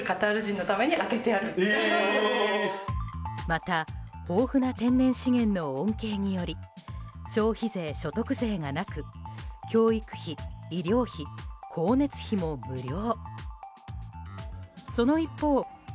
また豊富な天然資源の恩恵により消費税、所得税がなく教育費、医療費、光熱費も無料。